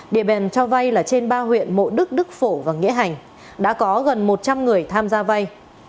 địa bàn cho vay là trên ba huyện mộ đức đức phổ và nghĩa hành đã có gần một trăm linh người tham gia vay